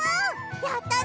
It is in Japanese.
やったね！